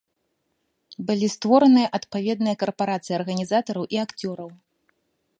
Былі створаныя адпаведныя карпарацыі арганізатараў і акцёраў.